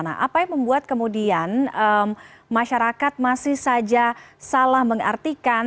nah apa yang membuat kemudian masyarakat masih saja salah mengartikan